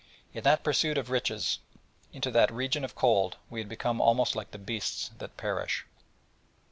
In that pursuit of riches into that region of cold, we had become almost like the beasts that perish.